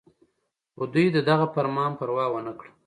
خو دوي د دغه فرمان پروا اونکړه